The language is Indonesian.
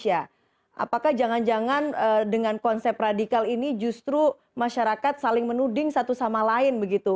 apakah jangan jangan dengan konsep radikal ini justru masyarakat saling menuding satu sama lain begitu